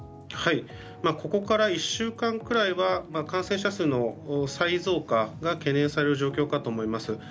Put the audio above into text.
ここから１週間くらいは感染者数の再増加が懸念される状況かと思います。